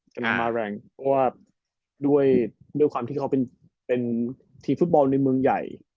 กำลังมาแรงเพราะว่าด้วยความที่เขาเป็นทีมฟุตบอลในเมืองใหญ่